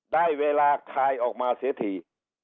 ได้เวลาคายออกมาเสียที